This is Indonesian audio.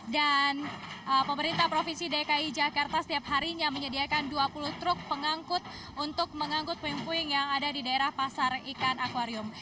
dan pemerintah provinsi dki jakarta setiap harinya menyediakan dua puluh truk pengangkut untuk mengangkut puing puing yang ada di daerah pasar ikan akwarium